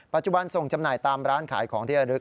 ปัจจุบันส่งจำหน่ายตามร้านขายของที่อดรึก